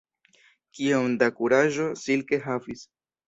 Kiom da kuraĝo Silke havis!